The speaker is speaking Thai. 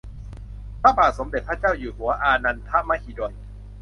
พระบาทสมเด็จพระเจ้าอยู่หัวอานันทมหิดล